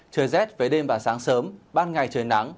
trời rét với đêm và sáng sớm ban ngày trời nắng